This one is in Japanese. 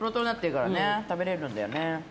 食べれるんだよね。